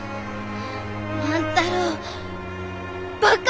万太郎バカ！